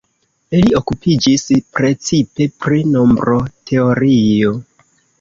Li okupiĝis precipe pri nombroteorio.